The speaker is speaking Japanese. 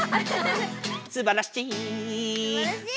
「すばらしい」